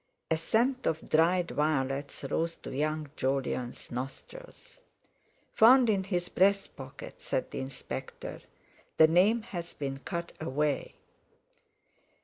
A scent of dried violets rose to young Jolyon's nostrils. "Found in his breast pocket," said the Inspector; "the name has been cut away!"